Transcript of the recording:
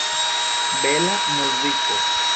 Bela muziko!